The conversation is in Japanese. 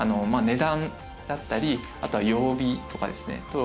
値段だったりあとは曜日とかですね